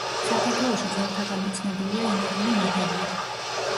საქართველოში ძველთაგანვე ცნობილია იმერული მადევარი.